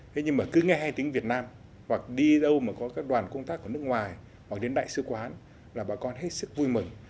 thế nhưng mà cứ nghe hai tiếng việt nam hoặc đi đâu mà có các đoàn công tác của nước ngoài hoặc đến đại sứ quán là bà con hết sức vui mừng